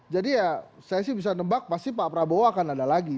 jadi ya saya sih bisa nebak pasti pak prabowo akan ada lagi